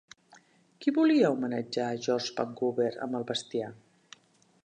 Qui volia homenatjar George Vancouver amb el bestiar?